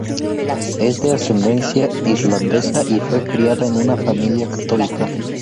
Es de ascendencia Irlandesa y fue criada en una familia católica.